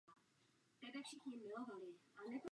Chceme dál podporovat Turecko; to je názor mé skupiny.